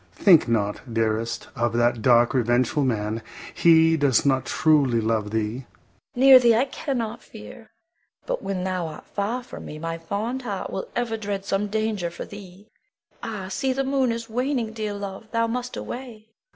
Think not, dearest, of that dark, revengeful man; he does not truly love thee. Bianca. Near thee I cannot fear; but when thou art far from me, my fond heart will ever dread some danger for thee. Ah, see the moon is waning; dear love, thou must away.